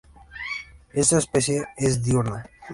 Esta especie es diurna.